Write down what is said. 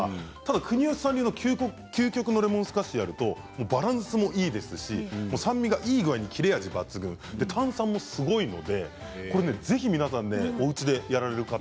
国吉さん流の究極のレモンスカッシュをやるとバランスもいいですし酸味がいい具合に切れ味抜群炭酸もすごいので、ぜひ皆さんおうちでやられる方。